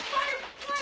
はい。